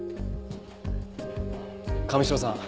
神城さん